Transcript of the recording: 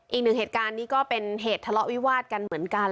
อีกหนึ่งเหตุการณ์นี้ก็เป็นเหตุทะเลาะวิวาดกันเหมือนกัน